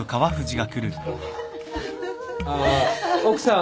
あー奥さん。